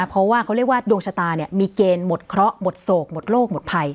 เพราะว่าเขาเรียกว่าดวงชะตามีเกณฑ์หมดเคราะห์หมดโศกหมดโลกหมดภัย